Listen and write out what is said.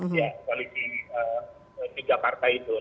koalisi tiga partai itu